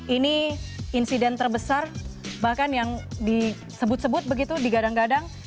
ini insiden terbesar bahkan yang disebut sebut begitu digadang gadang